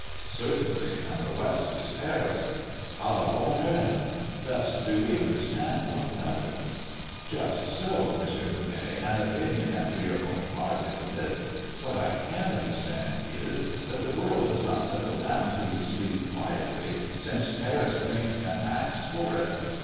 "Certainly! and the West is Paris." "A la bonne heure. Thus do we understand one another." "Just so, M. Gueronnay; an opinion after your own heart, isn't it? What I cant understand is, that the world does not settle down to sleep quietly, since Paris thinks and acts for it.